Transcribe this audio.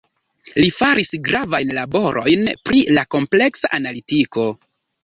Li faris gravajn laborojn pri la kompleksa analitiko.